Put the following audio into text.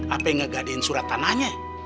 sampai ngegadain surat tanahnya